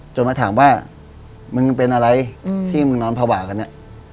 มาถามว่ามึงเป็นอะไรที่มึงนอนภาวะกันเนี่ย